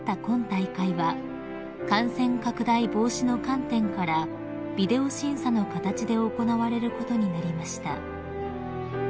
今大会は感染拡大防止の観点からビデオ審査の形で行われることになりました］